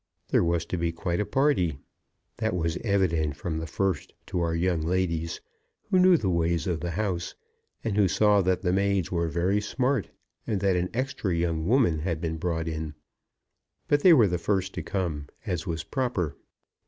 There was to be quite a party. That was evident from the first to our young ladies, who knew the ways of the house, and who saw that the maids were very smart, and that an extra young woman had been brought in; but they were the first to come, as was proper.